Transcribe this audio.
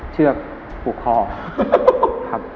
เชือกผูกคอ